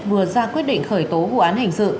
vừa ra quyết định khởi tố vụ án hình sự